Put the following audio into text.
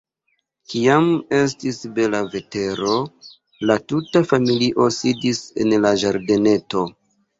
Kiam estis bela vetero, la tuta familio sidis en la ĝardeneto.